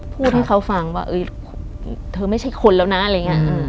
พูดให้เขาฟังว่าเธอไม่ใช่คนแล้วนะอะไรอย่างนี้